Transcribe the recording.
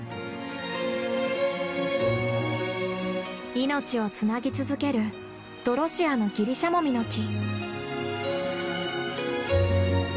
命をつなぎ続けるドロシアのギリシャモミの木。